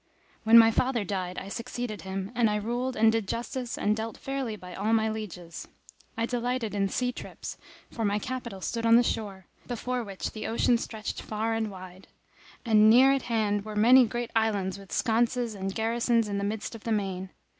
When my father died I succeeded him; and I ruled and did justice and dealt fairly by all my lieges. I delighted in sea trips, for my capital stood on the shore, before which the ocean stretched far and wide; and near hand were many great islands with sconces and garrisons in the midst of the main.